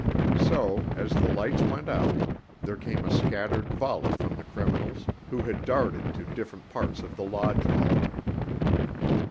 So, as the lights went out, there came a scattered volley from the criminals, who had darted to different parts of the lodge hall.